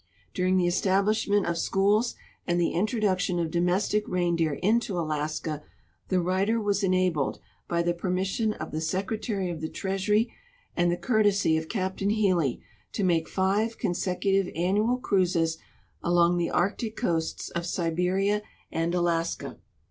During the establishment of schools and the introduc tion of domestic reindeer into Alaska the writer was enabled, by the permission of the Secretary of the Treasury and the courtesy of Captain Healy, to make five consecutive annual cruises along the Arctic coasts of Siberia and Alaska.